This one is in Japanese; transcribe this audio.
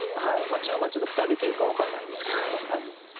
まあ中央がちょっとふたできるか分かんないですけども。